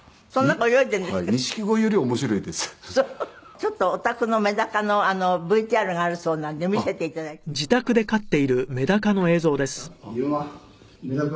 ちょっとおたくのメダカのＶＴＲがあるそうなんで見せて頂いていいですか？